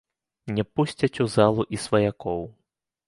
Не пусцяць у залу і сваякоў.